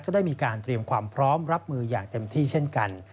ได้มีการเตรียมความพร้อมรับมืออย่างเต็มที่เช่นกัน